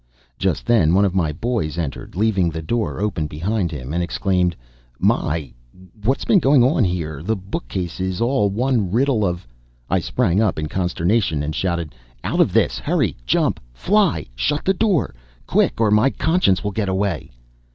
Just then one of my boys entered, leaving the door open behind him, and exclaimed: "My! what has been going on here? The bookcase is all one riddle of " I sprang up in consternation, and shouted: "Out of this! Hurry! jump! Fly! Shut the door! Quick, or my Conscience will get away!"